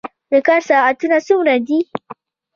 د کار ساعتونه څومره دي؟